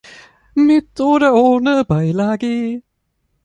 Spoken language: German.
Mit oder ohne Beilage.